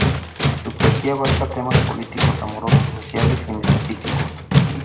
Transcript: Su poesía abarca temas políticos, amorosos, sociales y metafísicos.